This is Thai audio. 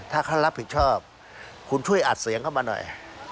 ถ้าเขารับผิดชอบคุณช่วยอัดเสียงเข้ามาหน่อย